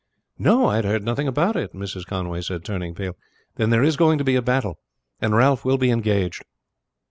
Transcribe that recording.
"No, I had heard nothing about it," Mrs. Conway said, turning pale. "Then there is going to be a battle, and Ralph will be engaged."